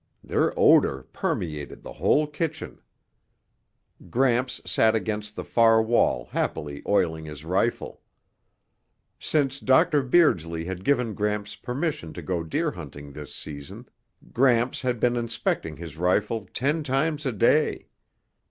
Their odor permeated the whole kitchen. Gramps sat against the far wall happily oiling his rifle. Since Dr. Beardsley had given Gramps permission to go deer hunting this season, Gramps had been inspecting his rifle ten times a day.